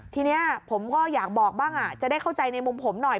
ทีนี้ผมก็อยากบอกบ้างจะได้เข้าใจในมุมผมหน่อย